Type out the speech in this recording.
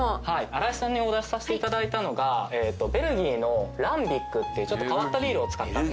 新井さんにお出しさせていただいたのがベルギーのランビックっていうちょっと変わったビールを。